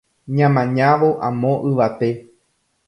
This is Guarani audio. Ñamañávo amo yvate